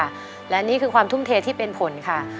หลายนี่คือทุ่มเทที่เป็นผลค่ะ